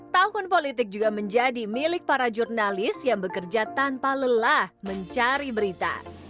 tahun politik juga menjadi milik para jurnalis yang bekerja tanpa lelah mencari berita